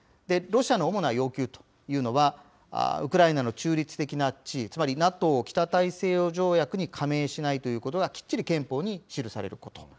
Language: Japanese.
ロシアの主な要求というのは、ウクライナの中立的な地位、つまり、ＮＡＴＯ・北大西洋条約機構に加盟しないということが、きっちり憲法に記されること。